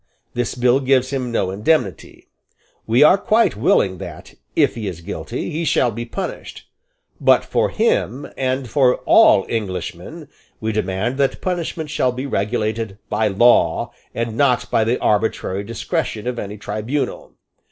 This bill gives him no indemnity. We are quite willing that, if he is guilty, he shall be punished. But for him, and for all Englishmen, we demand that punishment shall be regulated by law, and not by the arbitrary discretion of any tribunal.